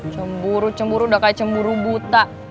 cemburu cemburu udah kayak cemburu buta